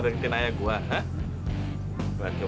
untuk berikan makanan